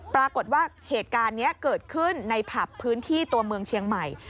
ปรากฏว่าเหตุการณ์นี้เกิดขึ้นในผับพื้นที่ตัวเมืองเชียงใหม่